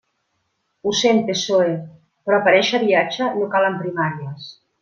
Ho sent PSOE, però per a eixe viatge, no calen primàries.